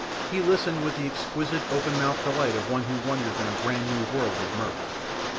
he listened with the exquisite open mouthed delight of one who wanders in a brand new world of mirth.